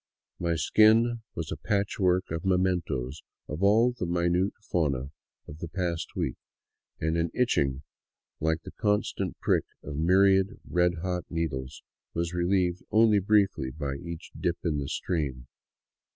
My skin was a patchwork of mementoes of all the minute fauna of the past week, and an itching like the constant prick of myriad red hot needles was relieved only briefly by each dip in the stream.